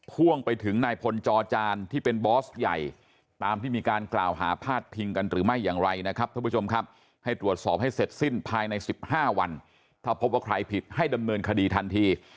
พ่วงไปถึงนายพลจอจานที่เป็นบอสใหญ่ตามที่มีการกล่าวหาพาดพิงกันหรือไม่อย่างไรนะครับท่านผู้ชมครับให้ตรวจสอบให้เสร็จสิ้นภายใน๑๕วันถ้าพบว่าใครผิดให้ดำเนินคดีทันที